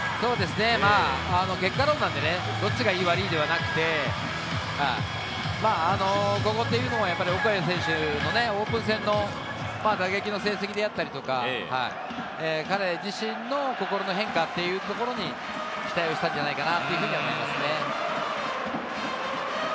まぁ結果論なんでね、どっちが良い、悪いではなくて、オコエ選手のオープン戦の打撃の成績であったり、彼自身の心の変化というところに期待をしたんじゃないかなと思いますね。